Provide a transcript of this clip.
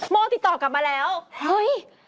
ทุกคนโม่ติดต่อกลับมาแล้วโอ๊ย